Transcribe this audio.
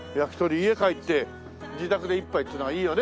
家帰って自宅で一杯っていうのがいいよね。